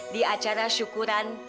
di acara syukuran